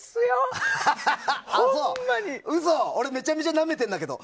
俺めちゃめちゃなめてるけど。